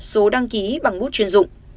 số đăng ký bằng mút chuyên dụng